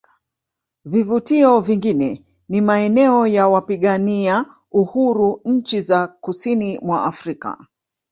Vivutio vingine ni maeneo ya wapigania uhuru nchi za kusini mwa Afrika